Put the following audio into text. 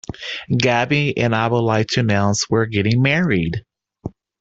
Gabby and I would like to announce we are getting married!.